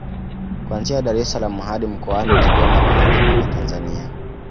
Kuanzia Dar es salaam hadi mkoani Kigoma magharibi mwa Tanzania